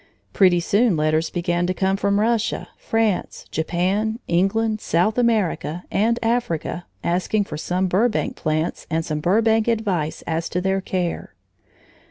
Pretty soon letters began to come from Russia, France, Japan, England, South America, and Africa, asking for some Burbank plants and some Burbank advice as to their care.